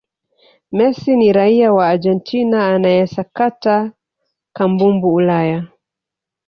messi ni raia wa argentina anayesakata kambumbu ulaya